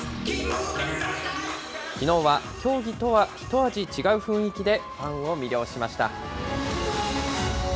きのうは競技とは一味違う雰囲気でファンを魅了しました。